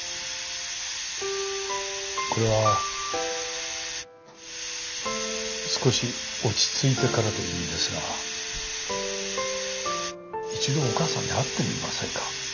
これは少し落ち着いてからでいいんですが一度お母さんに会ってみませんか？